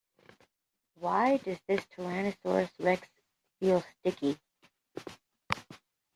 Why does this tyrannosaurus rex feel sticky?